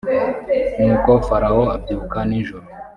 nuko farawo abyuka nijoro